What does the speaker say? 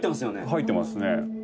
「入ってますね」